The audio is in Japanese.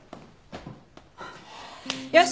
よし。